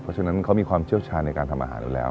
เพราะฉะนั้นเขามีความเชี่ยวชาญในการทำอาหารอยู่แล้ว